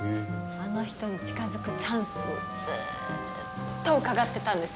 あの人に近づくチャンスをずっと伺ってたんですよ。